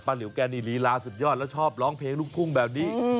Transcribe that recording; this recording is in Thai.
หลิวแกนี่ลีลาสุดยอดแล้วชอบร้องเพลงลูกทุ่งแบบนี้